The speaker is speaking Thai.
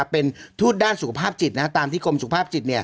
เป็นทูตด้านสุขภาพจิตตามที่กรมสุขภาพจิต